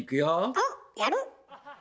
おっやる？